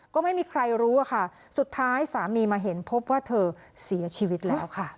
ก็ไม่มีใครรู้อะค่ะสุดท้ายสามีมาเห็นพบว่าเธอเสียชีวิตแล้วค่ะ